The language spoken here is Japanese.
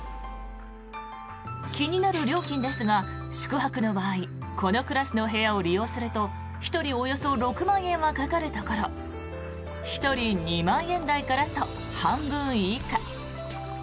気になる料金ですが宿泊の場合このクラスの部屋を利用すると１人およそ６万円はかかるところ１人２万円台からと半分以下。